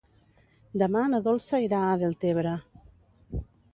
Demà na Dolça irà a Deltebre.